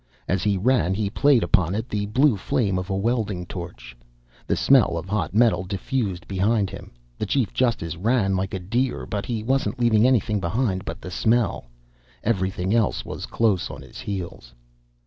As he ran, he played upon it the blue flame of a welding torch. The smell of hot metal diffused behind him. The chief justice ran like a deer. But he wasn't leaving anything behind but the smell. Everything else was close on his heels.